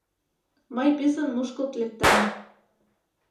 Мый писын мушкылт лектам.